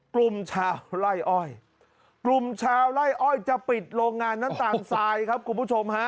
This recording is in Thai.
กลุ่มชาวไล่อ้อยกลุ่มชาวไล่อ้อยจะปิดโรงงานน้ำตาลทรายครับคุณผู้ชมฮะ